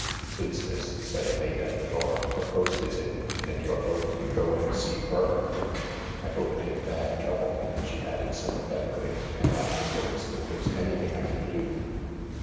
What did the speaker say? " Please, miss," said a maid at the door, "the post is in, and you're both to go and see Her. I hope it ain't bad trouble," she added sympathetically ;" and afterwards, if there's anything I can do